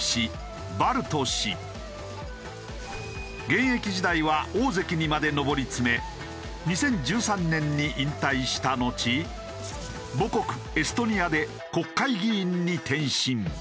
現役時代は大関にまで上り詰め２０１３年に引退したのち母国エストニアで国会議員に転身。